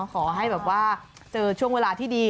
ขอให้แบบว่าเจอช่วงเวลาที่ดี